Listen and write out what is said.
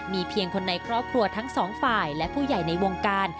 มีเพียงคนในครอบครัวทั้งสองฝ่ายและผู้ใหญ่ในวงการ